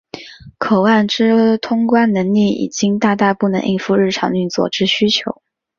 口岸之通关能力已经大大不能应付日常运作之需求。